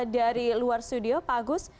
dari luar studio pak agus